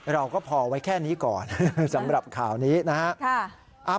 เราก็พอไว้แค่นี้ก่อนสำหรับข่าวนี้นะครับ